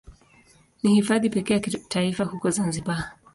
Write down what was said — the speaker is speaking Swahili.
Ni Hifadhi pekee ya kitaifa huko Zanzibar.